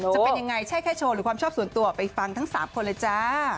จะเป็นยังไงใช่แค่โชว์หรือความชอบส่วนตัวไปฟังทั้ง๓คนเลยจ้า